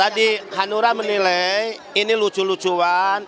tadi hanura menilai ini lucu lucuan